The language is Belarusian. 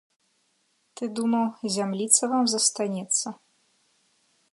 Ты думаў, зямліца вам застанецца?